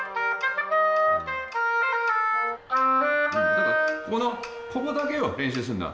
だからこのここだけを練習するんだ。